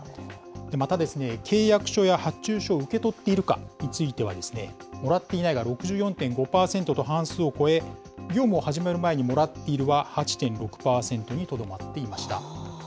また、契約書や発注書を受け取っているかについては、もらっていないが６４．５％と半数を超え、業務を始める前にもらっているは８．６％にとどまっていました。